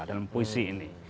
dalam puisi ini